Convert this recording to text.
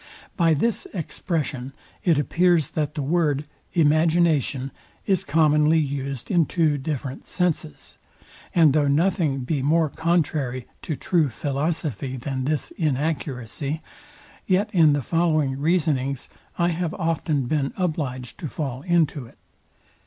By this expression it appears that the word, imagination, is commonly usd in two different senses; and tho nothing be more contrary to true philosophy, than this inaccuracy, yet in the following reasonings I have often been obligd to fall into it.